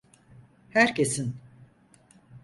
Herkesin…